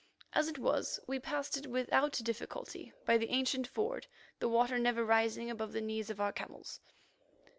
As it was, we passed it without difficulty by the ancient ford, the water never rising above the knees of our camels.